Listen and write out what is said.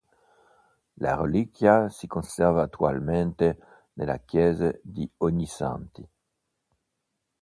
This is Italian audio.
La reliquia si conserva attualmente nella Chiesa di Ognissanti.